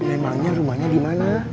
memangnya rumahnya di mana